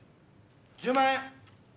１０万円！